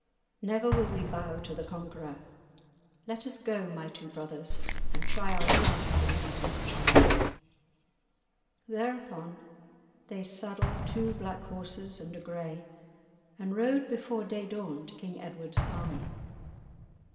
Never will we bow to the conquerer. Let us go, my two brothers, and try our chance in an adventure?" Thereupon they saddled two black horses and a grey, and rode before day dawn to King Edward's army.